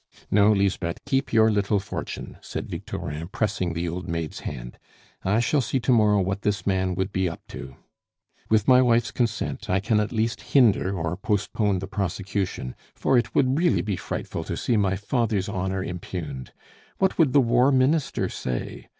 "No, Lisbeth, keep your little fortune," said Victorin, pressing the old maid's hand. "I shall see to morrow what this man would be up to. With my wife's consent, I can at least hinder or postpone the prosecution for it would really be frightful to see my father's honor impugned. What would the War Minister say?